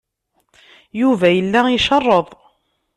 Yuba yella icerreḍ.